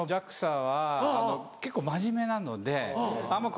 ＪＡＸＡは結構真面目なのであんま